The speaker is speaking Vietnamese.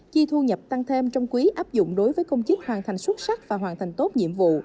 chi thu nhập tăng thêm trong quý áp dụng đối với công chức hoàn thành xuất sắc và hoàn thành tốt nhiệm vụ